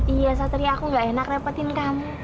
iya satria aku gak enak repetin kamu